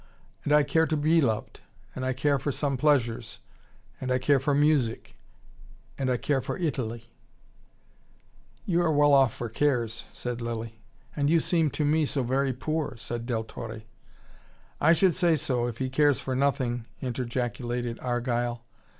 And I care to be loved. And I care for some pleasures. And I care for music. And I care for Italy." "You are well off for cares," said Lilly. "And you seem to me so very poor," said Del Torre. "I should say so if he cares for nothing," interjaculated Argyle.